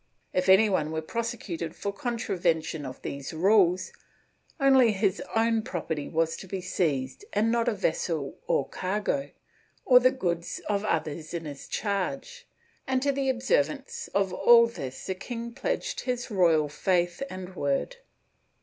If any one were prosecuted for contravention of these rules, only his own property was to be seized, and not a vessel or cargo, or the goods of others in his charge, and to the observance of all this the king pledged his royal faith and word.